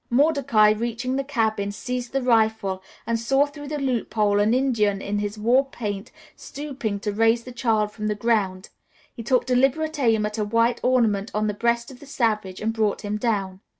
Mordecai, reaching the cabin, seized the rifle, and saw through the loophole an Indian in his war paint stooping to raise the child from the ground. He took deliberate aim at a white ornament on the breast of the savage and brought him down.